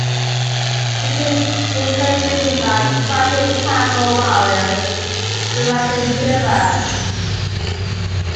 He keeps himself busy by fighting powerful warriors throughout the universe.